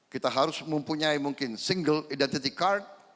kita harus mempunyai mungkin single identity card